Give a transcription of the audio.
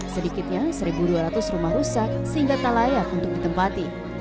sedikitnya satu dua ratus rumah rusak sehingga tak layak untuk ditempati